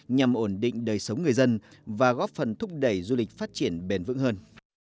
nhằm ổn định đời sống người dân và góp phần thúc đẩy du lịch phát triển bền vững hơn